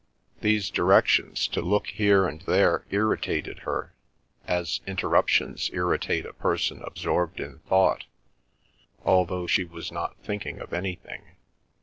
These directions to look here and there irritated her, as interruptions irritate a person absorbed in thought, although she was not thinking of anything.